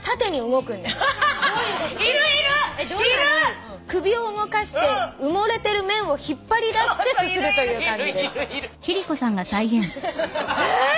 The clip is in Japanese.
「つまり首を動かして埋もれてる麺を引っ張りだしてすするという感じです」えっ！？